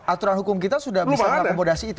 aturan hukum kita sudah bisa mengakomodasi itu